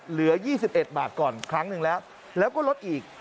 เหลือ๒๑บาทก่อนครั้งหนึ่งแล้วแล้วก็ลดอีก